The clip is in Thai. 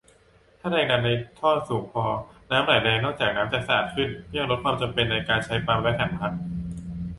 ถ้าแรงดันในท่อสูงพอ น้ำไหลแรง นอกจากน้ำจะสะอาดขึ้น ก็ยังลดความจำเป็นในการใช้ปั๊มและถังพัก